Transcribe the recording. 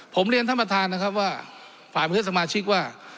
ผมเรียนท่านประธานนะครับว่าฝากประเทศสมาชิกว่า